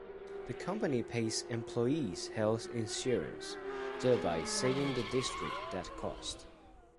The company pays employees' health insurance, thereby saving the district that cost.